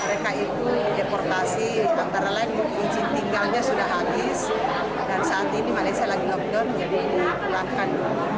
mereka itu deportasi antara lain izin tinggalnya sudah habis dan saat ini malaysia lagi lockdown jadi dikeluarkan